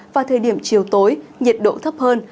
và thời điểm chiều tối nhiệt độ thấp hơn